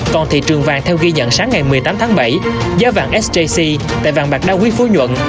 còn thị trường vàng theo ghi nhận sáng ngày một mươi tám tháng bảy giá vàng sjc tại vàng bạc đa quý phú nhuận